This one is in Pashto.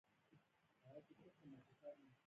په لومړي پړاو کې پانګه د پیسو په ډول وه